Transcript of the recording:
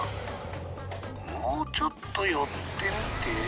もうちょっと寄ってみて。